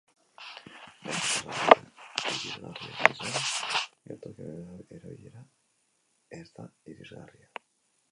Nahiz eta sarbidea irisgarria izan, geltokiaren erabilera ez da irisgarria.